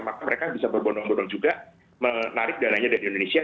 maka mereka bisa berbondong bondong juga menarik dananya dari indonesia